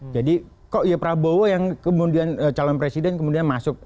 jadi kok ya prabowo yang kemudian calon presiden kemudian masuk